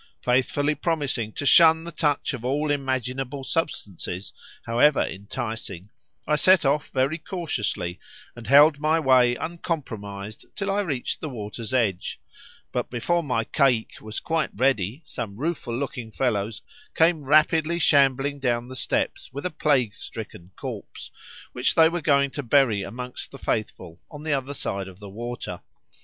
Faithfully promising to shun the touch of all imaginable substances, however enticing, I set off very cautiously, and held my way uncompromised till I reached the water's edge; but before my caïque was quite ready some rueful looking fellows came rapidly shambling down the steps with a plague stricken corpse, which they were going to bury amongst the faithful on the other side of the water.